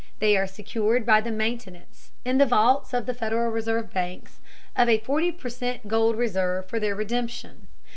They are secured by the maintenance, in the vaults of the Federal Reserve banks, of a forty per cent gold reserve for their redemption.